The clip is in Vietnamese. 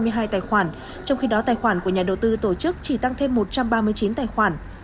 với một trăm một mươi sáu trăm hai mươi hai tài khoản trong khi đó tài khoản của nhà đầu tư tổ chức chỉ tăng thêm một trăm ba mươi chín tài khoản